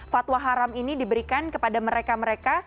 fatwa haram ini diberikan kepada mereka mereka